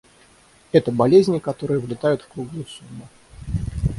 Это болезни, которые влетают в круглую сумму.